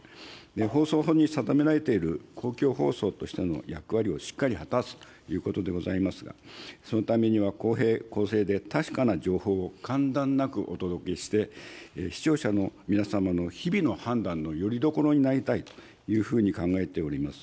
放送法に定められている公共放送としての役割をしっかり果たすということでございますが、そのためには、公平・公正で確かな情報を間断なくお届けして、視聴者の皆様の日々の判断のよりどころになりたいというふうに考えております。